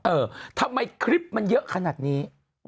เออทำไมคลิปมันเยอะขนาดนี้